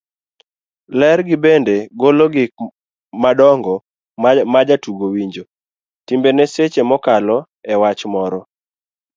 ler gi bende golo gik madongo majatugo winjo, timbene seche mokalo e wach moro